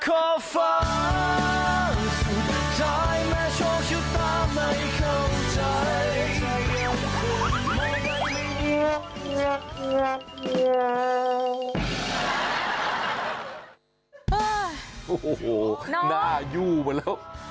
โอ้โหน่ายู่มาแล้ว